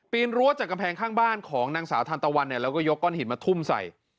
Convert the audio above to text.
รั้วจากกำแพงข้างบ้านของนางสาวทันตะวันเนี่ยแล้วก็ยกก้อนหินมาทุ่มใส่